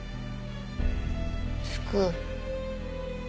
救う？